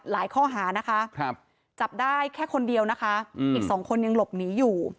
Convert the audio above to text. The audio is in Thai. ข้อหานะคะจับได้แค่คนเดียวนะคะอีกสองคนยังหลบหนีอยู่